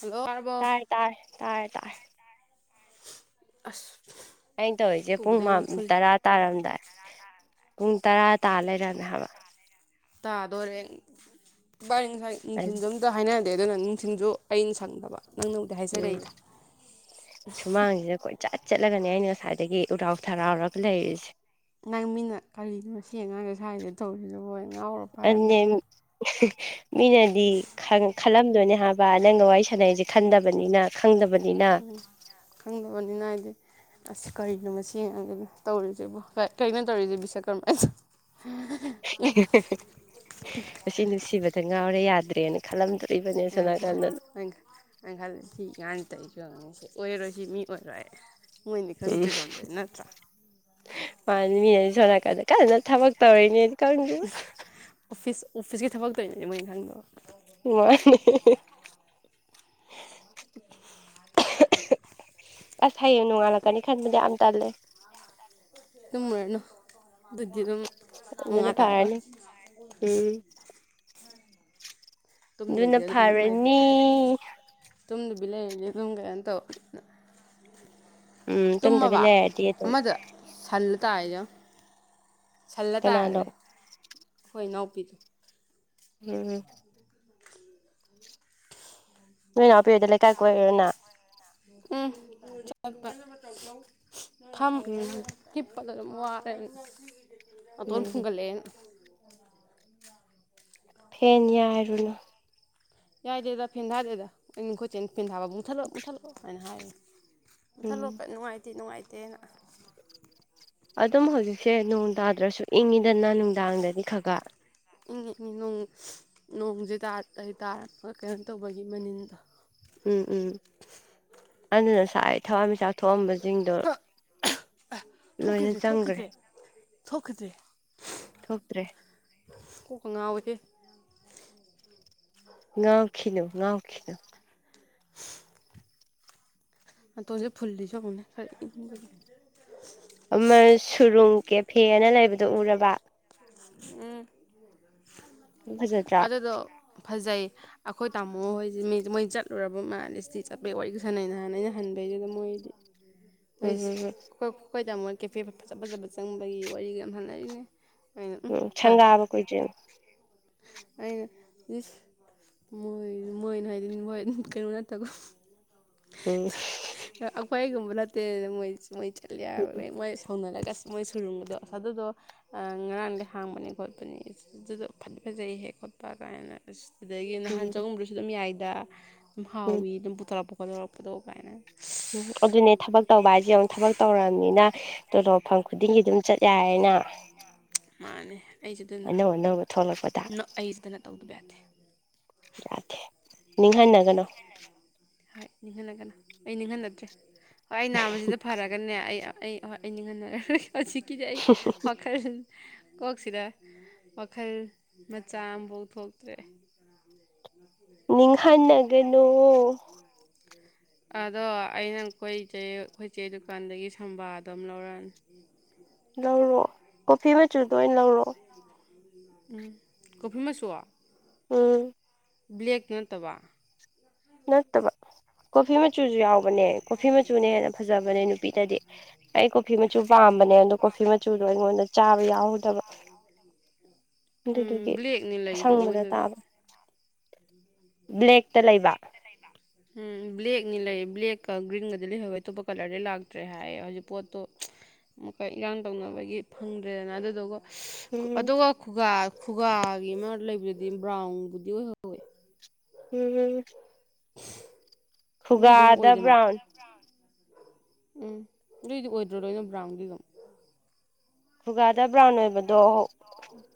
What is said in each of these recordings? hello ꯇꯥꯔꯦ ꯇꯥꯔꯦ ꯇꯥꯥꯔꯦ ꯇꯥꯔꯦ ꯑꯁ ꯑꯩꯅ ꯇꯧꯔꯤꯁꯦ ꯄꯨꯡ ꯄꯨꯕꯗꯩ ꯑꯃꯨꯛ ꯐꯨꯜ ꯇꯔꯥ ꯇꯥꯔꯝꯗꯥꯏ ꯄꯨꯡ ꯇꯔꯥ ꯇꯥ ꯂꯩꯔꯝꯃꯦ ꯍꯥꯏꯕ ꯇꯥꯗꯣꯔꯦ ꯉꯁꯥꯏ ꯅꯨꯡꯗꯤꯟꯗꯨꯝ ꯑꯗꯣ ꯍꯥꯏꯅꯗꯦ ꯑꯗꯨꯅ ꯅꯨꯡꯊꯤꯜꯁꯨ ꯑꯩꯅ ꯁꯪꯗꯕ ꯅꯪꯅ ꯎꯝ ꯁꯨꯃꯥꯡꯁꯤꯗ ꯀꯣꯏꯆꯠ ꯆꯠꯂꯒꯅꯦ ꯑꯩꯅ ꯉꯁꯥꯏꯗꯒꯤ ꯎꯔꯥꯎ ꯊꯔꯥꯎꯔꯒ ꯂꯩꯔꯤꯁꯦ ꯅꯪ ꯃꯤꯅ ꯀꯔꯤꯅꯣ ꯁꯤ ꯑꯉꯥꯡꯁꯦ ꯁ꯭ꯋꯥꯏꯗ ꯇꯧꯔꯤꯁꯤꯕꯣꯅ ꯑꯗꯨꯅꯦ ꯃꯤꯅꯗꯤ ꯈꯜꯂꯝꯗꯣꯏꯅꯦ ꯍꯥꯏꯕ ꯕꯥ ꯅꯪꯒ ꯋꯥꯔꯤ ꯁꯥꯟꯅꯕꯁꯦ ꯈꯪꯗꯕꯅꯤꯅ ꯎꯝ ꯈꯪꯗꯕꯅꯤꯅ ꯍꯥꯏꯗꯤ ꯑꯁ ꯀꯔꯤꯅꯣ ꯃꯁꯤ ꯑꯉꯥꯡꯁꯤꯅ ꯇꯧꯔꯤꯁꯤꯕꯣ ꯀꯩꯅꯣ ꯇꯧꯔꯤꯁꯦ ꯕꯤꯁꯀꯔꯃꯥ ꯑꯁ ꯍꯦ ꯍꯦ ꯃꯁꯤ ꯅꯨꯡꯁꯤꯕꯗ ꯉꯥꯎꯔꯦ ꯌꯥꯗ꯭ꯔꯦꯅ ꯈꯜꯂꯝꯗꯣꯢꯅꯦ ꯌꯥꯗ꯭ꯔꯦ ꯍꯣꯏꯅꯦ ꯑꯩꯅ ꯍꯥꯏꯕꯗꯤ ꯁꯤ ꯑꯉꯥꯡꯁꯤ ꯇꯧꯏꯁꯤ ꯌꯦꯡꯉꯨꯁꯤ ꯑꯣꯏꯔꯔꯣꯏ ꯁꯤ ꯃꯤ ꯑꯣꯏꯔꯣꯏ ꯃꯣꯏꯅꯗꯤ ꯎꯝ ꯈꯟꯗ꯭ꯔꯤ ꯁꯣꯝꯗ ꯅꯠꯇ꯭ꯔꯥ ꯃꯥꯅꯤ ꯃꯤꯅꯗꯤ ꯁꯣꯝꯅꯥꯀꯟꯗ ꯀꯟꯅ ꯊꯕꯛ ꯇꯧꯔꯤꯅꯦꯗꯤ ꯈꯪꯗꯦ ꯑꯣꯐꯤꯁ ꯑꯣꯐꯤꯁꯀꯤ ꯊꯕꯛ ꯇꯧꯔꯤꯅꯤꯗꯤ ꯃꯣꯏꯅ ꯈꯪꯗꯕ ꯃꯥꯅꯦ ꯍꯦ ꯍꯦ ꯍꯦ [inaudible] ꯑꯁ ꯍꯌꯦꯡ ꯅꯣꯡꯉꯥꯜꯂꯛꯀꯅꯤ ꯈꯟꯕꯗ ꯌꯥꯝ ꯇꯜꯂꯦ ꯇꯨꯝꯃꯨꯔꯅꯨ ꯑꯗꯨꯗꯤ ꯑꯗꯨꯝ ꯑꯗꯨꯅ ꯅꯨꯡꯉꯥꯟꯂꯛꯑꯔꯣꯏ ꯐꯔꯅꯤ ꯎꯝ ꯑꯗꯨꯅ ꯇꯨꯝꯗꯕꯤꯗ ꯑꯗꯨꯝ ꯉꯥꯏꯕ ꯐꯔꯅꯤ ꯇꯨꯝꯗꯕꯤ ꯂꯩꯔꯗꯤ ꯑꯗꯨꯝ ꯀꯩꯅꯣ ꯇꯧꯅ ꯎꯝ ꯇꯨꯝꯗꯕꯤ ꯇꯨꯝꯃꯕ ꯂꯩꯔꯗꯤ ꯑꯗꯨꯝ ꯑꯃꯗꯣ ꯁꯜꯂ ꯇꯥꯖꯦ ꯌꯦꯡꯉꯣ ꯁꯜꯂ ꯀꯅꯥꯅꯣ ꯇꯥꯒ꯭ꯔꯦ ꯈꯣꯢ ꯏꯅꯥꯎꯄꯤꯖꯤ ꯎꯝ ꯅꯣꯢ ꯅꯅꯥꯎꯕꯤꯗ ꯎꯝ ꯆꯠꯄ ꯐꯝ ꯎꯝ ꯍꯤꯞꯄꯗ ꯑꯗꯨꯝ ꯋꯥꯔꯦ ꯅꯇꯣꯟ ꯎꯝ ꯐꯨꯡꯒꯠꯂꯛꯑꯦ ꯐꯦꯟ ꯌꯥꯏꯔꯨꯅꯣ ꯌꯥꯏꯗꯦꯗ ꯐꯦꯟ ꯊꯥꯗꯦꯗ ꯑꯩꯅ ꯑꯩꯈꯣꯢ ꯆꯦꯅ ꯐꯦꯟ ꯊꯥꯕ ꯃꯨꯊꯠꯂꯣ ꯃꯨꯊꯠꯂꯣ ꯍꯥꯏꯅ ꯍꯥꯏꯔꯤꯅꯦ ꯎꯝ ꯃꯊꯠꯂꯣ ꯅꯨꯡꯉꯥꯏꯇꯦ ꯅꯨꯡꯉꯥꯏꯇꯦꯅ ꯑꯗꯨꯝ ꯍꯧꯖꯤꯛꯁꯦ ꯅꯣꯡ ꯇꯥꯗ꯭ꯔꯁꯨ ꯏꯪꯉꯤꯗꯅ ꯅꯨꯡꯗꯥꯡꯗꯗꯤ ꯈꯔ ꯈꯔ ꯏꯪꯉꯤ ꯏꯪꯉꯤ ꯅꯣꯡꯁꯦ ꯇꯥꯔ ꯇꯥꯔꯛꯄ ꯀꯩꯅꯣ ꯇꯧꯕꯒꯤ ꯃꯅꯤꯟꯗꯣ ꯎꯝ ꯎꯝ ꯑꯗꯨꯅ ꯉꯁꯥꯏ ꯊꯋꯥꯟꯃꯤꯆꯥꯛ ꯊꯣꯛꯑꯝꯕꯁꯤꯡꯗꯣ ꯂꯣꯏꯅ ꯊꯣꯛꯈꯤꯗ꯭ꯔꯦ ꯆꯪꯒ꯭ꯔꯦ ꯊꯣꯛꯈꯤꯗ꯭ꯔꯦ ꯊꯣꯛꯈꯤꯗ꯭ꯔꯦ ꯊꯣꯛꯇ꯭ꯔꯦ ꯀꯣꯛꯀ ꯉꯥꯎꯋꯤꯍꯦ ꯉꯥꯎꯈꯤꯅꯨ ꯉꯥꯎꯈꯤꯅꯨ ꯅꯥꯇꯣꯟꯁꯤ ꯐꯨꯜꯂꯤꯁꯤ ꯌꯦꯛꯉꯨꯅꯦ ꯈꯔ ꯏꯪꯕꯒꯤ ꯑꯃ ꯁꯨꯔꯨꯡ ꯀꯦꯐꯦꯅ ꯂꯩꯕꯗꯣ ꯎꯔꯕ ꯎꯝ ꯐꯖꯗ꯭ꯔꯥ ꯑꯗꯨꯗꯣ ꯐꯖꯩ ꯑꯩꯈꯣꯏ ꯇꯥꯃꯣ ꯍꯣꯏꯁꯦ ꯃꯤꯁꯤ ꯃꯣꯏ ꯆꯠꯂꯨꯔꯕ ꯃꯥꯜꯂꯦ ꯏꯁꯇꯤ ꯆꯠꯄꯩ ꯋꯥꯔꯤꯒ ꯁꯥꯟꯅꯩ ꯅꯍꯥꯟ ꯑꯩꯅ ꯍꯟꯕꯩꯗꯨꯗ ꯃꯣꯏꯗꯤ ꯏꯁ ꯎꯝ ꯑꯩꯈꯣꯏ ꯑꯩꯈꯣꯏ ꯇꯥꯃꯣ ꯀꯦꯐꯦ ꯐꯖ ꯐꯖꯕ ꯆꯪꯕꯒꯤ ꯋꯥꯔꯤꯒ ꯌꯥꯝ ꯁꯥꯟꯅꯔꯤꯝꯅꯤ ꯎꯝ ꯁꯪꯒꯥꯕ ꯀꯨꯏꯗ꯭ꯔꯤꯝ ꯑꯩꯅ ꯏꯁ ꯃꯣꯏ ꯃꯣꯏꯅ ꯍꯥꯏꯗꯤ ꯃ꯭ꯍꯣꯏ ꯀꯩꯅꯣ ꯅꯠꯇꯕ ꯎꯝ ꯑꯩꯈꯣꯏꯒꯨꯝꯕ ꯅꯠꯇꯦ ꯃꯣꯏ ꯃꯣꯏ ꯎꯝ ꯆꯠꯂꯦꯕꯅꯦ ꯃꯣꯏ ꯍꯧꯅꯔꯒ ꯑꯁ ꯃꯣꯏ ꯁꯨꯔꯨꯡꯗꯣ ꯑꯏ ꯑꯗꯨꯗꯣ ꯑ ꯉꯔꯥꯡꯗꯩ ꯍꯥꯡꯕꯅꯦ ꯈꯣꯠꯄꯅꯦ ꯏꯁ ꯑꯗꯨꯗꯨ ꯐꯗꯤ ꯐꯖꯩꯍꯦ ꯈꯣꯠꯄ ꯒꯥꯏꯅ ꯑꯁ ꯑꯗꯒꯤ ꯅꯍꯥꯟ ꯎꯝ ꯆꯪꯉꯨꯕꯗꯨꯁꯨ ꯑꯗꯨꯝ ꯌꯥꯏꯗ ꯑꯗꯨꯝ ꯎꯝ ꯍꯥꯎꯋꯤ ꯑꯗꯨꯝ ꯄꯨꯊꯔꯛꯄ ꯄꯣꯊꯣꯔꯛꯄꯗꯣ ꯀꯥꯏꯅ ꯎꯝ ꯑꯗꯨꯅꯦ ꯊꯕꯛ ꯇꯧꯕ ꯍꯥꯏꯖꯦ ꯌꯦꯡꯉꯣ ꯊꯕꯛ ꯇꯧꯔꯝꯅꯤꯅ ꯇꯣꯂꯣꯝ ꯐꯪ ꯈꯨꯗꯤꯡꯒꯤ ꯑꯗꯨꯝ ꯆꯠ ꯌꯥꯔꯦꯅ ꯃꯥꯅꯦ ꯑꯅꯧ ꯑꯅꯧꯕ ꯊꯣꯛꯂꯛꯄꯗ ꯑꯩ ꯁꯤꯗꯅ [unintelligible] ꯇꯧꯗꯕ ꯌꯥꯗꯦ ꯌꯥꯗꯦ ꯅꯤꯡꯍꯟꯅꯒꯅꯣ ꯍꯣꯏ ꯅꯤꯡꯍꯟꯅꯒꯅꯣ ꯑꯩ ꯅꯤꯡꯍꯟꯅꯗ꯭ꯔꯦ ꯍꯣꯏ ꯑꯩ ꯅꯥꯕꯖꯤꯗ ꯐꯔꯒꯅꯦ ꯑꯩ ꯑꯩ ꯍꯣꯏ ꯑꯩ ꯅꯤꯡꯍꯟꯅꯔꯔꯣꯏꯒꯦ ꯍꯧꯖꯤꯛꯀꯤꯗꯤ ꯑꯩ ꯋꯥꯈꯜ ꯀꯣꯛꯁꯤꯗ ꯋꯥꯈꯜ ꯃꯆꯥ ꯑꯝꯕꯥꯎ ꯊꯣꯛꯇ꯭ꯔꯦ ꯅꯤꯡꯍꯟꯅꯒꯅꯣ ꯑꯗꯣ ꯑꯩ ꯅꯪ ꯀꯣꯏꯖꯦ ꯑꯩꯈꯣꯏ ꯆꯦ ꯗꯨꯀꯟꯗꯒꯤ ꯁꯝꯕꯥ ꯗꯣ ꯑꯝ ꯂꯧꯔꯛꯑꯅꯤ ꯂꯧꯔꯣ ꯀꯣꯐꯤ ꯃꯆꯨꯗꯣ ꯑꯣꯏ ꯂꯧꯔꯣ ꯎꯝ ꯀꯣꯐꯤ ꯃꯆꯨ ꯎꯝ ꯕ꯭ꯂꯦꯛꯇꯣ ꯅꯠꯇꯕ ꯅꯠꯇꯕ ꯀꯣꯐꯤ ꯃꯆꯨꯖꯨ ꯌꯥꯎꯕꯅꯦ ꯀꯣꯐꯤ ꯃꯆꯨꯅ ꯍꯦꯟꯅ ꯐꯖꯕꯅꯦ ꯅꯨꯄꯤꯗꯗꯤ ꯑꯩ ꯀꯣꯐꯤ ꯃꯆꯨ ꯄꯥꯝꯕꯅꯦ ꯑꯗꯣ ꯀꯣꯐꯤ ꯃꯆꯨꯗꯣ ꯑꯩꯉꯣꯟꯗ ꯆꯥꯕ ꯌꯥꯎꯍꯧꯗꯕ ꯎꯝ ꯑꯗꯨꯗꯨꯒꯤ ꯕ꯭ꯂꯦꯛꯅꯤ ꯂꯩꯗꯣ ꯑꯁꯪꯕꯥꯗ ꯃꯣꯏꯗꯗꯤ ꯇꯥꯕ ꯕ꯭ꯂꯦꯛꯇ ꯂꯩꯕ ꯂꯩꯕ ꯎꯝ ꯕ꯭ꯂꯦꯛꯅꯤ ꯂꯩ ꯕ꯭ꯂꯦꯛꯀ ꯒ꯭ꯔꯤꯟꯒꯗꯤ ꯂꯩꯍꯧꯋꯦ ꯑꯇꯣꯞꯄ ꯀꯂꯔꯗꯤ ꯂꯥꯛꯇ꯭ꯔꯦ ꯍꯥꯏꯌꯦ ꯍꯧꯖꯤꯛ ꯄꯣꯠꯇꯣ ꯃꯨꯛꯀ ꯏꯔꯥꯡ ꯇꯧꯅꯕꯒꯤ ꯐꯪꯗ꯭ꯔꯦꯗꯅ ꯑꯗꯨꯗꯨꯒ ꯎꯝ ꯑꯗꯨꯒ ꯈꯨꯒꯥ ꯈꯨꯒꯥꯒꯤ ꯑꯃ ꯂꯩꯕꯗꯨꯗꯤ ꯕ꯭ꯔꯥꯎꯟꯕꯨꯗꯤ ꯑꯣꯏꯍꯧꯋꯦ ꯎꯝ ꯑꯗꯨꯏꯗꯤ ꯑꯗꯨꯝ ꯈꯨꯒꯥꯗ ꯑꯣꯏꯗꯅ ꯕ꯭ꯔꯥꯎꯟ ꯎꯝ ꯑꯗꯨꯏꯗꯤ ꯑꯣꯏꯗ꯭ꯔꯣ ꯂꯣꯏꯅ ꯕ꯭ꯔꯥꯎꯟꯗꯤ ꯑꯗꯨꯝ ꯈꯨꯒꯥꯗ ꯕ꯭ꯔꯥꯎꯟ ꯑꯣꯏꯕꯗꯣ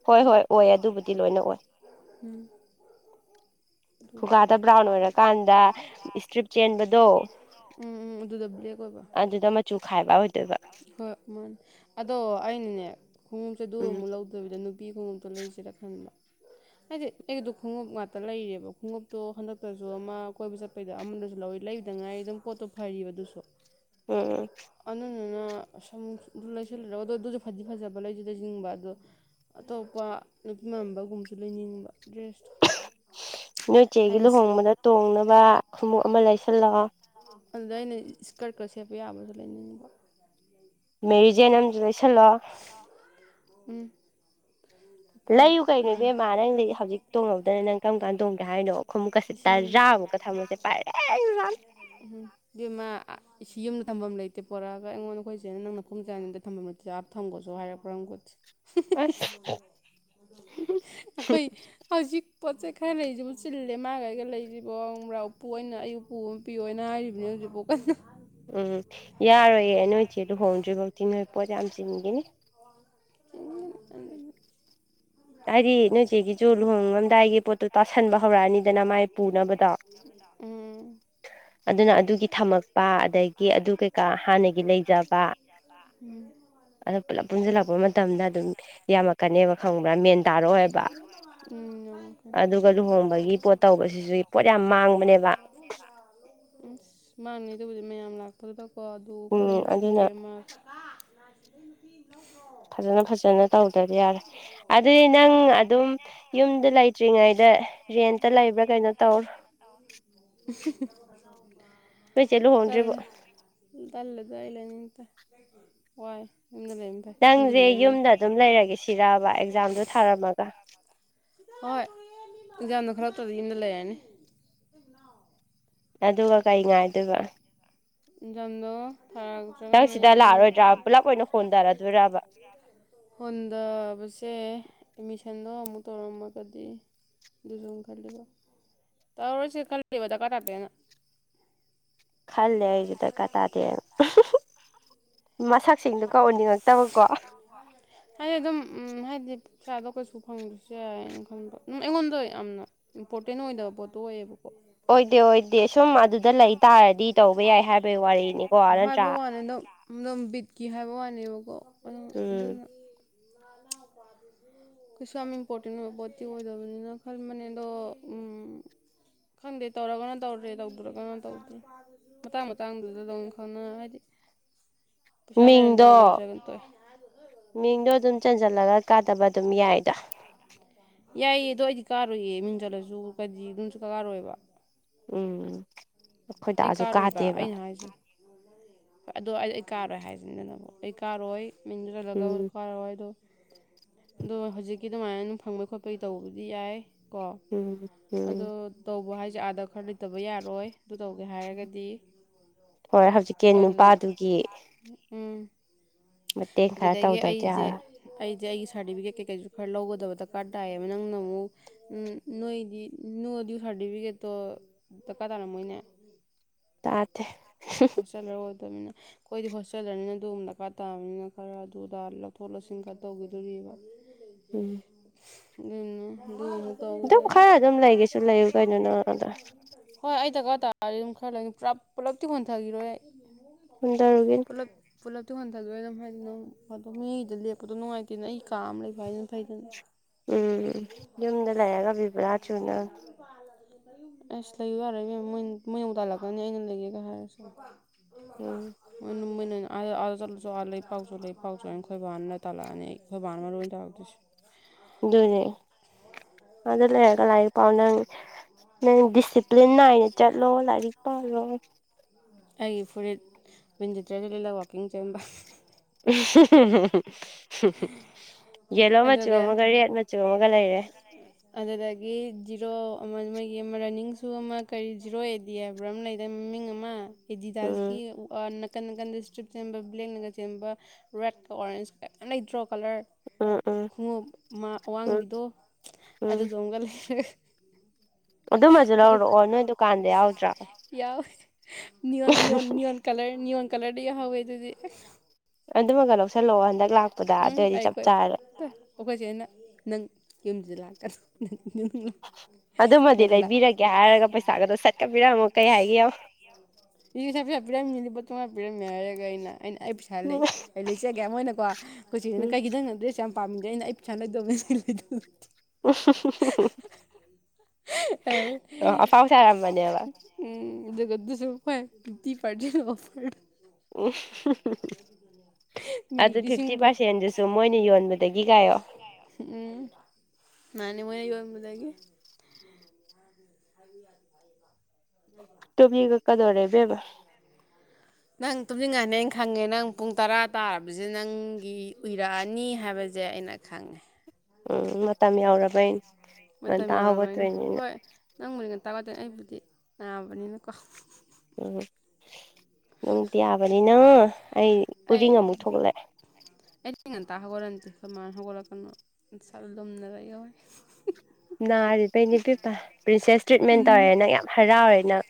ꯍꯣꯏ ꯍꯣꯏ ꯑꯣꯏ ꯑꯗꯨꯕꯨꯗꯤ ꯂꯣꯏꯅ ꯑꯣꯏ ꯎꯝ ꯈꯨꯒꯥꯗ ꯕ꯭ꯔꯥꯎꯟ ꯑꯣꯏꯔꯀꯥꯟꯗ ꯏꯁꯇ꯭ꯔꯤꯞ ꯆꯦꯟꯕꯗꯣ [inaudible] ꯎꯝ ꯎꯝ ꯑꯗꯨꯗ ꯕ꯭ꯂꯦꯛ ꯑꯣꯏꯕ ꯑꯗꯨꯗ ꯃꯆꯨ ꯈꯥꯏꯕ ꯑꯣꯏꯗꯣꯏꯕ ꯍꯣꯏ ꯑꯗꯣ ꯑꯩꯅꯅꯦ ꯈꯣꯡꯎꯞꯁꯦ ꯗꯨ ꯎꯝ ꯃꯨꯛ ꯂꯧ ꯑꯗꯨꯕꯤꯗꯨ ꯅꯨꯄꯤ ꯈꯣꯡꯎꯝꯇꯣ ꯂꯩꯁꯤꯔ ꯈꯟꯕ ꯑꯩꯗꯤ ꯑꯩꯒꯤꯗꯨ ꯈꯣꯡꯎꯞ ꯉꯥꯛꯇ ꯂꯩꯔꯦꯕ ꯈꯣꯡꯉꯞꯇꯣ ꯍꯟꯗꯛꯇꯁꯨ ꯑꯃ ꯀꯣꯏꯕ ꯆꯠꯄ ꯀꯩꯗꯣ ꯑꯃꯗꯁꯨ ꯂꯧꯋꯦ ꯂꯩꯕꯗ ꯉꯥꯏꯔꯤ ꯑꯗꯨꯝ ꯄꯣꯠꯇꯣ ꯐꯔꯤꯕꯑꯗꯨꯁꯨ ꯎꯝ ꯑꯅꯨꯗꯨꯅ ꯁꯨꯝ ꯑꯗꯨ ꯂꯩꯁꯤꯜꯂꯨꯔ ꯑꯗꯣ ꯐꯗꯤ ꯐꯖꯕ ꯂꯩꯖꯨ ꯂꯩꯖꯤꯟꯅꯤꯡꯕ ꯑꯗꯣ ꯑꯇꯣꯛꯄ ꯅꯨꯄꯤ ꯃꯥꯟꯕꯒꯨꯝꯁꯨ ꯂꯩꯅꯤꯡꯕ ꯗ꯭ꯔꯦꯁꯇꯣ ꯅꯣꯏꯆꯦꯒꯤ ꯍꯥꯏꯗꯤ ꯂꯨꯍꯣꯡꯕꯗ ꯇꯣꯡꯅꯕ ꯈꯣꯡꯎꯞ ꯑꯃ ꯂꯩꯁꯟꯂꯣ ꯑꯗꯨꯗ ꯑꯩꯅ ꯏꯁꯀꯔꯠꯀ ꯁꯦꯠꯄ ꯌꯥꯕꯁꯨ ꯂꯩꯅꯤꯡꯕ ꯃꯦꯔꯤꯖꯦꯟ ꯑꯝꯖꯨ ꯂꯩꯁꯜꯂꯣ ꯎꯝ ꯂꯩꯌꯨ ꯀꯩꯅꯣ ꯏꯕꯦꯝꯃ ꯅꯪꯗꯤ ꯍꯧꯖꯤꯛ ꯇꯣꯡꯍꯧꯗ꯭ꯔꯥ ꯅꯪ ꯀꯔꯝ ꯀꯥꯟꯗ ꯇꯣꯡꯒꯦ ꯍꯥꯏꯅꯣ ꯈꯨꯝꯃꯨꯛꯀꯁꯦ ꯂꯤꯁꯤꯡ ꯇꯥꯔꯥꯃꯨꯛꯀ ꯊꯝꯃꯣꯁꯦ ꯄꯥꯔꯦꯡ ꯁꯥꯅ ꯎꯝ ꯏꯕꯦꯝꯃꯥ ꯌꯨꯝꯗ ꯊꯝꯐꯝ ꯂꯩꯇꯦ ꯄꯣꯔꯛꯑꯒ ꯑꯩꯉꯣꯟꯗ ꯑꯩꯈꯣꯏꯆꯦꯅ ꯅꯪ ꯅꯈꯣꯡ ꯆꯥꯅꯤꯗ ꯊꯝꯝꯕ ꯥ ꯊꯝꯒꯣꯆꯣ ꯍꯥꯏꯔꯛꯄ꯭ꯔꯥ ꯈꯪꯕꯣꯠꯇꯦ ꯑꯁ ꯑꯩꯈꯣꯏ ꯍꯧꯖꯤꯛ ꯄꯣꯠ ꯆꯩꯩ ꯈꯔ ꯂꯩꯔꯤꯁꯦꯕꯣꯛ ꯆꯤꯜꯂꯦ ꯃꯥꯏꯒ ꯑꯩꯒ ꯂꯩꯔꯤꯁꯤꯕꯣ ꯈꯪꯕ꯭ꯔꯥ ꯎꯄꯨ ꯑꯩꯅ ꯑꯩꯒꯤ ꯎꯄꯨ ꯑꯃ ꯄꯤꯌꯣ ꯍꯥꯏꯔꯤꯕꯅꯤ ꯍꯧꯖꯤꯛꯐꯥꯎ ꯀꯟꯅ ꯎꯝ ꯌꯥꯔꯣꯏꯌꯦ ꯅꯣꯏ ꯏꯆꯦ ꯂꯨꯍꯣꯡꯗ꯭ꯔꯤꯕꯣꯛꯗꯤ ꯅꯣꯏ ꯄꯣꯠ ꯌꯥꯝ ꯆꯤꯟꯈꯤꯅꯤ ꯑꯗꯨꯅꯦ ꯍꯥꯏꯗꯤ ꯅꯣꯏꯆꯦꯒꯤꯁꯨ ꯂꯨꯍꯣꯡꯂꯝꯗꯥꯏꯒꯤ ꯄꯣꯠꯇꯨ ꯇꯥꯁꯟꯕ ꯍꯧꯔꯛꯑꯅꯤꯗꯅ ꯃꯥꯏ ꯄꯨꯅꯕꯗꯣ ꯎꯝ ꯑꯗꯨꯅ ꯑꯗꯨꯒꯤ ꯊꯝꯃꯛꯄ ꯑꯗꯒꯤ ꯑꯗꯨ ꯀꯩꯀꯥ ꯍꯥꯟꯅꯒꯤ ꯂꯩꯖꯕ ꯑꯗꯨ ꯄꯨꯂꯞ ꯄꯨꯟꯁꯤꯜꯂꯛꯄ ꯃꯇꯝꯗ ꯑꯗꯨꯝ ꯌꯥꯝꯃꯛꯀꯅꯦꯕ ꯈꯪꯕ꯭ꯔꯥ ꯃꯦꯟ ꯇꯥꯔꯛꯑꯣꯏꯕ ꯎꯝ ꯌꯥꯝꯃꯛꯀꯥꯅꯤ ꯁꯤꯁꯨ ꯄꯣꯠ ꯌꯥꯝ ꯃꯥꯡꯕꯅꯦꯕ ꯎꯝ ꯃꯥꯡꯅꯤ ꯑꯗꯨꯕꯨꯗꯤ ꯃꯌꯥꯝ ꯂꯥꯛꯄꯗꯨꯗꯀꯣ ꯂꯨꯈ꯭ꯔꯦ ꯎꯝ ꯑꯗꯨꯅ ꯆꯤꯡꯒꯤ ꯑꯃ [unintelligible] ꯐꯖꯅ ꯐꯖꯅ ꯇꯧꯗꯗꯤ ꯌꯥꯔꯣ ꯑꯗꯨꯗꯤ ꯅꯪ ꯑꯗꯨꯝ ꯌꯨꯝꯗ ꯂꯩꯇ꯭ꯔꯤꯉꯩꯗ ꯔꯦꯟꯇ ꯂꯩꯕ꯭ꯔꯥ ꯀꯩꯅꯣ ꯇꯧꯔꯣ ꯅꯣꯏꯆꯦ [unintelligible] ꯂꯨꯍꯣꯡꯗ꯭ꯔꯤꯕꯣ ꯇꯜꯂꯦ [unintelligible] ꯋꯥꯏ ꯌꯨꯝꯗ ꯂꯩꯕꯅ ꯐꯩ ꯌꯨꯝꯗ ꯅꯪꯖꯦ ꯂꯩꯒꯅꯨ ꯌꯨꯝꯗ ꯑꯗꯨꯝ ꯂꯩꯔꯒꯦ ꯁꯤꯔꯕ ꯑꯦꯛꯖꯥꯝꯗꯣ ꯊꯥꯔꯝꯃꯒ ꯍꯣꯏ ꯑꯦꯛꯖꯥꯝꯗꯣ ꯈꯜꯂꯛꯇꯗꯤ ꯌꯨꯝꯗ ꯂꯩꯔꯅꯤ ꯑꯗꯨꯒ ꯀꯩ ꯉꯥꯏꯗꯣꯏꯕ ꯑꯦꯛꯖꯥꯝꯗꯣ ꯅꯪ ꯊꯥꯔꯛꯇ꯭ꯔꯒꯅ ꯁꯤꯗ ꯌꯨꯝ ꯂꯥꯛꯑꯔꯣꯏꯗ꯭ꯔꯥ ꯄꯨꯂꯞ ꯑꯣꯏꯅ ꯍꯣꯟꯊꯔꯗꯣꯏꯔꯕ [unintelligible] ꯍꯨꯟꯗꯕꯁꯦ ꯑꯦꯃꯤꯁꯟꯗꯣ ꯑꯃꯨꯛ ꯇꯧꯔꯝꯃꯒꯗꯤ ꯑꯗꯨꯁꯨ ꯃꯨꯛ ꯈꯜꯂꯦꯕ ꯇꯧꯔꯔꯣꯏꯁꯦ ꯈꯜꯂꯤꯕ ꯗꯔꯀꯥꯔ ꯇꯥꯗꯦꯅ ꯈꯜꯂꯦ ꯑꯩꯖꯨ ꯗꯔꯀꯥꯔ ꯇꯥꯥꯗꯦꯅ ꯑꯍꯨ ꯍꯨꯝ ꯃꯁꯛ ꯁꯤꯡꯗꯣ ꯀꯣ ꯑꯅꯤꯡꯉꯛꯇꯕꯀꯣ ꯍꯥꯏꯗꯤ ꯑꯗꯨꯝ ꯎꯝ ꯍꯥꯏꯗꯤ ꯁꯥꯗꯣ ꯀꯩꯁꯨ ꯐꯪꯗꯁꯨ ꯌꯥꯏꯌꯦꯅ ꯈꯟꯕ ꯎꯝ ꯑꯩꯉꯣꯟꯗ ꯑꯣꯏ ꯌꯥꯝꯅ ꯏꯝꯄꯣꯔꯇꯦꯟ ꯑꯣꯏꯗꯕ ꯄꯣꯠꯇꯣ ꯑꯣꯏꯌꯦꯕꯀꯣ ꯑꯣꯏꯗꯦ ꯑꯣꯏꯗꯦ ꯁꯨꯝ ꯑꯗꯨꯗ ꯂꯩ ꯇꯥꯔꯗꯤ ꯇꯧꯕ ꯌꯥꯏ ꯍꯥꯏꯕꯩ ꯋꯥꯔꯤꯅꯤꯀꯣ [unintelligible] ꯅꯠꯇ꯭ꯔꯥ ꯍꯥꯏꯕ ꯋꯥꯅꯦ ꯑꯗꯣ ꯅꯝ ꯕꯤꯠꯀꯤ ꯍꯥꯏꯕ ꯋꯥꯅꯦꯕꯀꯣ ꯑꯗꯨ ꯎꯝ ꯑꯗꯨꯅ ꯀꯩꯁꯨ ꯌꯥꯝ ꯏꯝꯄꯣꯔꯇꯦꯟ ꯑꯣꯢꯕ ꯄꯣꯠꯇꯤ ꯑꯣꯏꯗꯕꯅꯤꯅ ꯈꯟꯕꯅꯦꯑꯗꯣ ꯎꯝ ꯈꯪꯗꯦ ꯇꯧꯔꯒꯅ ꯇꯧꯔꯦ ꯇꯧꯗ꯭ꯔꯒꯅ ꯇꯧꯗ꯭ꯔꯦ ꯃꯇꯥꯡ ꯃꯇꯥꯡꯗꯨꯗ ꯑꯗꯨꯝ ꯈꯪꯅ ꯍꯥꯏꯗꯤ ꯄꯩꯁꯥ ꯂꯩꯔꯅ ꯃꯤꯡꯗꯣ ꯇꯧꯔꯦ ꯂꯩꯇ꯭ꯔꯒꯅ ꯇꯣꯛꯑꯦ ꯃꯤꯡꯗꯣ ꯑꯗꯨꯝ ꯆꯟꯖꯜꯂꯒ ꯀꯥꯗꯕ ꯑꯗꯨꯝ ꯌꯥꯏꯗ ꯌꯥꯏꯌꯦ ꯑꯗꯣ ꯑꯩꯗꯤ ꯀꯥꯔꯣꯏꯌꯦ ꯃꯤꯡ ꯆꯜꯂꯖꯨ ꯀꯗꯤ ꯑꯗꯨꯝ ꯁꯨꯀꯥ ꯀꯥꯔꯣꯏꯕ ꯎꯝ ꯑꯩ ꯑꯈꯣꯏꯗꯥꯖꯨ ꯀꯥꯗꯦꯕ ꯍꯣꯏ ꯑꯗꯣ ꯑꯩ ꯑꯩ ꯀꯥꯔꯣꯏ ꯍꯥꯏꯖꯤꯗꯅꯕꯨ ꯑꯩ ꯀꯥꯔꯣꯏ ꯃꯤꯡꯗꯨ ꯆꯜꯂꯒ ꯎꯝ ꯀꯥꯔꯣꯏ ꯗꯣ ꯑꯗꯣ ꯍꯧꯖꯤꯛꯀꯤ ꯑꯗꯨꯃꯥꯏꯅ ꯑꯗꯨꯝ ꯐꯪꯕꯩ ꯈꯣꯠꯄꯒꯤ ꯇꯧꯕꯗꯤ ꯌꯥꯏ ꯀꯣ ꯎꯝ ꯎꯝ ꯑꯗꯣ ꯇꯧꯕ ꯍꯥꯏꯖꯦ ꯑꯥꯗ ꯈꯔ ꯂꯩꯇꯕ ꯌꯥꯔꯣꯏ ꯑꯗꯨ ꯇꯧꯒꯦ ꯍꯥꯏꯔꯒꯗꯤ ꯍꯣꯏ ꯍꯧꯖꯤꯛ ꯑꯗꯨ ꯎꯝ ꯃꯇꯦꯡ ꯈꯔ ꯑꯗꯨꯗꯒꯤ ꯇꯧꯗꯕꯗꯤ ꯑꯩꯖꯦ ꯌꯥꯔꯣꯏ ꯑꯩꯖꯦ ꯑꯩꯒꯤ ꯁꯥꯔꯗꯤꯕꯤꯒꯦꯠ ꯀꯩꯀꯩꯖꯨ ꯈꯔ ꯂꯧꯒꯗꯕ ꯗꯔꯀꯥꯔ ꯇꯥꯏꯌꯦꯕ ꯅꯪꯅ ꯑꯃꯨꯛ ꯎꯝ ꯅꯣꯏꯗꯤ ꯅꯣ ꯗ꯭ꯌꯨ ꯁꯥꯔꯗꯤꯕꯤꯒꯦꯠꯇꯣ ꯗꯔꯀꯥꯔ ꯇꯥꯔꯝꯃꯣꯏꯅꯦ ꯇꯥꯗꯦ ꯍꯣꯁꯇꯦꯜꯂꯔ ꯑꯣꯏꯗꯝꯅꯤꯅ ꯈꯣꯏꯗꯤ ꯍꯣꯁꯇꯦꯜꯗꯅꯤꯅ ꯑꯗꯨꯝ ꯗꯔꯀꯥꯔ ꯇꯥꯕꯅꯤꯅ ꯈꯔ ꯑꯗꯨꯗ ꯂꯧꯊꯣꯛ ꯂꯧꯁꯤꯟꯈ ꯇꯧꯒꯤꯗꯧꯔꯤꯕ ꯎꯝ ꯎꯝ ꯑꯗꯨ ꯃꯨꯛ ꯑꯗꯨꯝ ꯈꯔ ꯑꯗꯨꯝ ꯂꯩꯒꯦꯁꯨ ꯂꯩꯌꯨ ꯀꯩꯅꯣ ꯅꯪ ꯑꯗ ꯍꯣꯏ ꯑꯩ ꯗꯔꯀꯥꯔ ꯇꯥꯔꯗꯤ ꯑꯗꯨꯝ ꯈꯔ ꯂꯩꯅꯤ ꯄꯨꯔꯥ ꯄꯨꯜꯂꯞꯇꯤ ꯍꯣꯟꯊꯒꯤꯔꯣꯏ ꯑꯩ ꯍꯣꯟꯗꯔꯨꯒꯤꯅꯨ ꯄꯨꯂꯞ ꯄꯨꯜꯂꯞꯇꯨ ꯍꯣꯟꯗꯒꯤꯔꯣꯏ ꯑꯗꯨꯝ ꯍꯥꯏꯗꯤ ꯗꯨꯝ ꯑꯗꯣ ꯃꯤꯒꯤꯗ ꯂꯦꯛꯄꯗꯣ ꯅꯨꯡꯉꯥꯏꯇꯦꯅ ꯑꯩ ꯀꯥ ꯑꯝ ꯂꯩꯕ ꯍꯥꯏꯖꯤꯅ ꯐꯩꯗꯅ ꯌꯥ ꯎꯝ ꯌꯨꯝꯗ ꯂꯩꯔꯒ ꯕꯤꯕꯨꯂꯥ ꯆꯨꯅꯕꯅꯤ ꯑꯁ ꯂꯩꯌꯨ ꯌꯥꯔꯣꯏ ꯏꯕꯦꯝꯃ ꯃꯣꯏꯅ ꯃꯣꯏꯅꯕꯨ ꯇꯥꯜꯂꯛꯀꯅꯤ ꯑꯩꯅ ꯂꯩꯒꯦ ꯍꯥꯏꯔꯁꯨ ꯎꯝ ꯃꯣꯏꯅ ꯃꯣꯏꯅ ꯑꯥꯗ ꯑꯥꯗ ꯆꯠꯂꯨꯆꯣ ꯑꯥ ꯂꯥꯏꯔꯤꯛ ꯄꯥꯎꯆꯣ ꯂꯥꯏꯔꯤꯛ ꯄꯥꯎꯆꯣ ꯑꯩꯟ ꯈꯣꯏꯕꯥꯅ ꯇꯥꯂꯛꯑꯅꯤ ꯑꯩ ꯈꯣꯏꯕꯥꯅ ꯃꯔꯨ ꯑꯣꯏꯅ ꯇꯥꯜꯂꯛꯇꯣꯏꯖꯦ ꯑꯗꯨꯅꯦ ꯑꯥꯗ ꯂꯩꯔꯒ ꯂꯥꯏꯔꯤꯛ ꯄꯥꯎ ꯅꯪ ꯅꯪ ꯗꯤꯁꯤꯄ꯭ꯂꯤꯟ ꯅꯥꯏꯅ ꯆꯠꯂꯣ ꯂꯥꯏꯔꯤꯛ ꯄꯥꯔꯣ ꯑꯩꯒꯤ ꯐꯨꯔꯤꯠ ꯋꯤꯟ ꯖꯤꯇ꯭ꯔ ꯖꯦ ꯂꯤꯠꯂ ꯋꯥꯛꯀꯤꯡ ꯆꯦꯟꯕ ꯎꯝ ꯍꯨꯝ ꯍꯨꯝ ꯍꯨꯝ ꯌꯦꯂꯣ ꯃꯆꯨ ꯑꯗꯨꯒ ꯑꯃꯒ ꯔꯦꯠ ꯆꯨ ꯑꯃꯒ ꯂꯩꯔꯦ ꯑꯗꯨꯗꯒꯤ ꯖꯤꯔꯣ ꯑꯃ ꯃꯣꯏꯒꯤ ꯑꯃ ꯔꯟꯅꯤꯡ ꯁꯨ ꯑꯃ ꯀꯔꯤ ꯖꯤꯔꯣ ꯑꯦꯗꯤꯑꯕ ꯂꯩ ꯃꯃꯤꯡ ꯑꯃ ꯎꯝ ꯑꯦꯗꯤꯗꯥꯁꯀꯤ ꯅꯀꯟ ꯀꯟꯗ ꯏꯁꯇ꯭ꯔꯤꯞ ꯆꯦꯟꯕ ꯕ꯭ꯂꯦꯛꯅꯒ ꯆꯦꯟꯕ ꯔꯦꯠꯀ ꯑꯣꯔꯦꯟꯖꯀ ꯌꯥꯝ ꯂꯩꯇ꯭ꯔꯣ ꯀꯂꯔ ꯎꯝ ꯎꯝ ꯈꯨꯉꯨꯞ ꯑꯃ ꯎꯝ ꯑꯋꯥꯡꯕꯤꯗꯣ ꯎꯝ ꯑꯗꯨ ꯗꯨꯝꯒ ꯂꯩꯔꯒ ꯑꯗꯨꯃꯁꯨ ꯂꯧꯔꯛꯑꯣ ꯅꯣꯏ ꯗꯨꯀꯥꯟꯗ ꯌꯥꯎꯗ꯭ꯔꯣ ꯌꯥꯎꯋꯦ ꯅꯤꯌꯣꯟ ꯅꯤꯌꯣꯟ ꯅꯤꯌꯣꯟ ꯀꯂꯔꯅꯤꯌꯣꯟ ꯀꯂꯔꯗꯤ ꯌꯥꯎ ꯍꯧꯋꯦ ꯑꯗꯨꯗꯤ ꯑꯗꯨꯃꯒ ꯂꯧꯁꯤꯜꯂꯛꯑꯣ ꯍꯟꯗꯛ ꯂꯥꯛꯄꯗ ꯑꯗꯨꯑꯣꯏꯗꯤ ꯆꯞ ꯆꯥꯔꯦ ꯑꯈꯣꯏ ꯆꯦꯅ ꯅꯪ ꯌꯨꯝꯖꯗ ꯂꯥꯛꯀꯅꯣ [unintelligible] ꯑꯗꯨꯃꯗꯤ ꯂꯥꯛ ꯂꯩꯕꯤꯔꯒꯦ ꯍꯥꯏꯔꯒ ꯄꯩꯁꯥꯒꯗꯣ ꯁꯠꯀ ꯄꯤꯔꯝꯃꯣ ꯀꯩ ꯍꯥꯏꯒꯦ ꯌꯦꯡꯉꯣ [unintelligible] ꯄꯩꯁꯥ ꯄꯤꯔꯝꯃꯦ ꯂꯨꯄꯥ ꯆꯧꯉꯥ ꯍꯥꯏꯔꯒ ꯑꯩꯅ ꯑꯩꯅ ꯑꯩ ꯄꯩꯁꯥ ꯂꯩ ꯑꯩ ꯂꯩ ꯃꯣꯏꯅꯀꯣ ꯈꯣꯏꯆꯦ ꯍꯣꯏꯅ ꯀꯩꯒꯤꯅꯣ ꯗ꯭ꯔꯦꯁ ꯌꯥꯝ ꯄꯥꯝꯃꯤꯗꯣ ꯑꯩꯅ ꯑꯩ ꯄꯩꯁꯥꯅ ꯂꯩꯗꯣꯏꯅꯦ ꯅꯪꯅ ꯂꯩꯗꯧ [unintelligible] ꯑꯣ [unintelligible] ꯑꯐꯥꯎ ꯁꯥꯔꯝꯕꯅꯦꯕ ꯎꯝ ꯑꯗꯨꯒ ꯑꯗꯨꯖꯨ ꯐꯔ ꯐꯤꯐꯇꯤ ꯄꯔꯁꯦꯟ ꯑꯣꯐꯔ [unintelligible] ꯃꯤ ꯑꯗꯨ ꯂꯤꯁꯤꯡ ꯐꯤꯐꯇꯤ ꯄꯥꯔꯁꯦꯟꯗꯨꯁꯨ ꯃꯣꯏꯅ ꯌꯣꯟꯕꯗꯒꯤ ꯀꯥꯏꯌꯣ ꯎꯝ ꯃꯥꯟꯅꯦ ꯃꯣꯏꯅ ꯌꯣꯟꯕꯗꯒꯤ [unintelligible] ꯇꯨꯝꯅꯤꯡꯉꯛ ꯀꯗꯧꯔꯦ ꯏꯕꯦꯃ ꯅꯪ ꯇꯨꯝꯅꯤꯡꯉꯅ‌ꯦ ꯑꯩ ꯈꯪꯉꯦ ꯅꯪ ꯄꯨꯡ ꯇꯔꯥ ꯇꯥꯔꯕꯖ‌ꯦ ꯅꯪꯒꯤ ꯎꯏꯔ ꯑꯅꯤ ꯍꯥꯏꯕꯖ‌ꯦ ꯑꯩꯅ ꯈꯪꯉꯦ ꯎꯝ ꯃꯇꯝ ꯌꯧꯔꯕꯩ ꯃꯇꯝ ꯌꯧꯔꯕꯩꯅꯦ ꯍꯣꯏ ꯅꯪꯕꯨꯗꯤ ꯉꯟꯇ ꯋꯥꯗ‌ꯦ ꯑꯩꯕꯨꯗꯤ ꯅꯥꯕꯅꯤꯅꯀꯣ ꯎꯝ ꯅꯪꯕꯨꯗꯤ ꯌꯥꯕꯅꯤꯅ ꯑꯩ ꯑꯩ ꯎꯔꯤꯡ ꯑꯃꯨꯛ ꯊꯣꯛꯂꯛꯑꯦ ꯑꯩꯗꯤ ꯉꯟꯇꯥ ꯍꯧꯒꯠꯂ ꯅꯤ ꯈꯣꯏ ꯃꯥ ꯍꯧꯒꯠꯂ ꯀꯅꯥ ꯅꯁꯥ ꯂꯨꯝꯅ ꯂꯩꯌꯣꯌꯦ ꯅꯥꯔꯤꯕꯩꯅꯦ ꯕꯦꯄꯥ ꯄ꯭ꯔꯤꯁꯦꯁ ꯇ꯭ꯔꯤꯠꯃꯦꯟ ꯎꯝ ꯇꯧꯔꯦꯅ ꯌꯥꯝ ꯍꯔꯥꯎꯋ‌ꯦ ꯅꯪ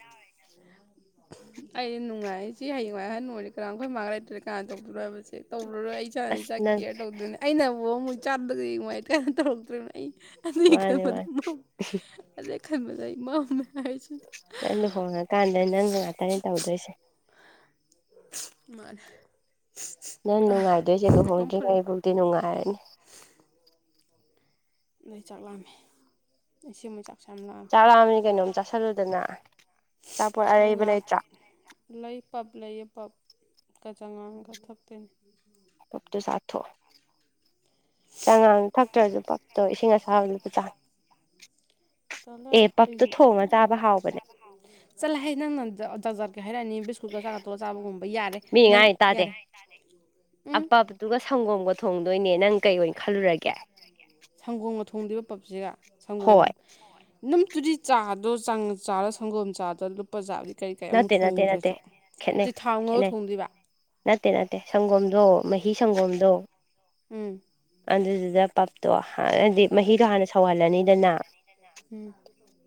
ꯑꯩ ꯅꯨꯡꯉꯥꯏ ꯁꯤ ꯍꯌꯦꯡꯋꯥꯏ ꯑꯍꯟ ꯑꯣꯏꯔ ꯀꯅꯥ ꯑꯈꯣꯏ ꯃꯥꯥ ꯂꯩꯇ꯭ꯔ ꯀꯅꯥꯟ ꯇꯧꯗꯣꯏꯅꯣ ꯍꯥꯏꯕꯁꯦ ꯇꯧꯔꯔꯣꯏ ꯑꯩ ꯏꯁꯥꯅ ꯑꯁ ꯏꯁꯥ ꯅꯪ ꯀꯤꯌꯔ ꯇꯧꯗꯣꯏꯅꯦ ꯑꯩꯅ ꯕꯨ ꯑꯃꯨ ꯏꯆꯥꯗꯨꯗꯒꯤ ꯅꯨꯡꯉꯥꯏꯇ‌ꯦꯅ ꯇꯧꯔꯛꯇ‌ꯣꯏꯕ ꯑꯩ ꯑꯗꯨꯏ ꯃꯥꯅꯦ ꯈꯟꯕꯗ ꯃꯥꯅꯦ ꯃꯝ ꯑꯗꯨꯏ ꯈꯟꯕꯗ ꯑꯩ ꯃꯝꯃꯦ ꯍꯥꯏꯁꯤ ꯅꯪ ꯂꯨꯍꯣꯡꯉ ꯀꯥꯟꯗ ꯅꯪꯅ ꯉꯥꯛꯇꯅꯦ ꯇꯧꯗꯣꯏꯁꯦ ꯃꯥꯅꯦ ꯅꯪ ꯅꯨꯡꯉꯥꯏꯗꯣꯏꯖ‌ꯦ ꯃꯇꯣꯝ ꯂꯨꯍꯣꯡꯗ꯭ꯔꯤ ꯐꯨꯜꯂꯦ ꯉꯩ ꯕ‌ꯣꯛꯗꯤ ꯅꯨꯡꯉꯥꯏꯔꯅꯤ ꯑꯩ ꯆꯥꯛ ꯂꯥꯝꯃꯦ ꯑꯩ ꯁꯦꯝꯃ‌ꯦ ꯆꯥꯛ ꯆꯥꯛ ꯂꯥꯝꯃꯗꯤ ꯀꯩꯅꯣꯝ ꯆꯥꯁꯜ ꯂꯨꯗꯅ ꯆꯥꯄꯣꯠ ꯍꯣꯏ ꯑꯔꯩꯕ ꯉꯥꯏꯍꯥꯛ ꯂꯩꯇ꯭ꯔꯣ ꯂꯩ ꯄꯞ ꯂꯩꯌ‌‌ꯦ ꯄꯞ ꯀ ꯆꯉꯥꯡꯒ ꯊꯛ ꯇꯣꯏꯅꯦ ꯄꯞꯇꯣ ꯆꯥ ꯊꯣ ꯆꯉꯥꯡ ꯊꯛꯇ꯭ꯔꯖꯨ ꯄꯞꯇꯣ ꯏꯁꯤꯡ ꯑꯁꯥꯕ ꯂꯨꯞꯄ ꯆꯥ ꯇꯜꯂ‌ꯦ ꯑꯦ ꯑꯩ ꯄꯞꯇꯣ ꯑ‌ꯦ ꯄꯞ ꯇ‌ꯣ ꯊꯣꯡꯉ ꯆꯥꯕ ꯊ‌ꯣꯡ ꯍꯥꯎꯕꯅꯦ ꯆꯥꯕ ꯍꯥꯎꯕꯅ‌ꯦ ꯆꯜꯂ ꯍꯦ ꯅꯪꯅ ꯖ ꯖ ꯖꯥꯠ ꯀ ꯍꯥꯏꯔꯑꯅ‌ꯦ ꯕꯤꯁꯀꯨꯠꯀ ꯆꯥꯒ ꯇꯣꯠꯂ ꯆꯥꯕꯒꯨꯝꯕ ꯌꯥꯔꯦ ꯃꯤ ꯅꯪ ꯉꯥꯡꯉꯤ ꯌꯥꯔꯦ ꯃꯤꯅ ꯍꯥꯏ ꯇꯥꯗ‌ꯦ ꯎꯝ ꯇꯨꯒ ꯁꯪꯒꯣꯝꯒ ꯊꯣꯡꯗꯣꯏꯅꯦ ꯅꯪ ꯀꯩ ꯑꯣꯏ ꯈꯟ ꯂꯨꯔꯒꯦ ꯀꯩ ꯍꯥꯏꯒ‌ꯦ ꯁꯪꯒꯣꯝꯒ ꯊꯣꯡꯗꯣꯏꯕ ꯄꯞꯁꯤꯒ ꯁꯪꯒꯣꯝ ꯍꯣꯏ ꯍ‌ꯣꯏ ꯅꯪꯇꯨꯗꯤ ꯆꯥꯗꯣ ꯆꯥꯡ ꯆꯥꯔ ꯁꯪꯒꯣꯝ ꯆꯥꯗ ꯂꯨꯞ ꯄꯖꯥꯒꯤ ꯀꯩ ꯀꯩ ꯑꯃꯨꯛ ꯅꯠꯇꯦ ꯅꯠꯇꯦ ꯅꯠꯇꯦ ꯊꯣꯡꯗ꯭ꯔꯖꯨ ꯇꯨ ꯈꯦꯠꯅꯩ ꯊꯥꯎ ꯉꯧꯔ ꯈꯦꯠꯅꯩ ꯊꯣꯡꯗꯣꯏꯕ ꯅꯠꯇꯦ ꯅꯠꯇꯦ ꯁꯪꯒꯣꯝꯗꯣ ꯃꯍꯤ ꯁꯪꯒꯣꯝꯗꯣ ꯎꯝ ꯑꯗꯨꯗꯨꯗ ꯄꯞꯇꯣ ꯍꯥꯟꯅꯗꯤ ꯃꯍꯤꯗꯣ ꯍꯥꯟꯅ ꯍꯥꯟꯅꯗꯤ ꯃꯍꯤꯗꯣ ꯍꯥꯟꯅ ꯁꯧꯍꯜꯂꯅꯤꯗꯅ ꯁꯧꯍꯜ ꯂꯅꯤꯗꯅ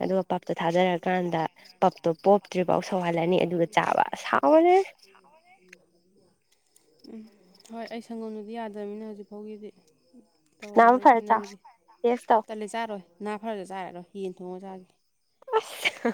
ꯑꯗꯨꯒ ꯄꯞꯇꯣ ꯊꯥꯗꯔꯀꯥꯟꯗ ꯄꯞꯇꯣ ꯄꯣꯞꯇ꯭ꯔꯤ ꯕꯧ ꯁꯧꯍꯜꯂꯅꯤ ꯑꯗꯨꯒ ꯆꯥꯕ ꯑꯁ ꯍꯥꯎꯕꯅꯦ ꯍꯥꯎꯕꯅꯦ ꯎꯝ ꯍꯣꯏ ꯑꯩ ꯁꯪꯒꯣꯝꯗꯨꯗꯤ ꯌꯥꯗꯝꯃꯤꯅ ꯍꯖꯤꯛ ꯐꯥꯎꯒꯤꯗꯤ ꯅꯥꯕ ꯇꯧꯔꯔꯣꯏ ꯐꯔ ꯆꯥꯎ ꯅꯪꯒꯤ ꯇꯦꯁ ꯇꯧ ꯇꯜꯂꯦ ꯆꯥꯔꯣꯏ ꯅꯥ ꯐꯔꯖꯨ ꯆꯥꯔꯔꯣꯏ ꯌꯦꯟ ꯊꯣꯡꯉ ꯆꯥꯒꯦ ꯑꯁ